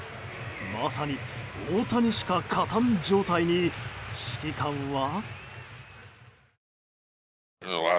まさに大谷しか勝たん状態に指揮官は。